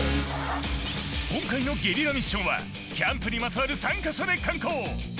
今回のゲリラミッションはキャンプにまつわる３か所で敢行